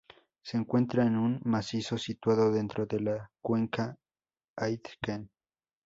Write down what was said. Se encuentra en un macizo situado dentro de la Cuenca Aitken.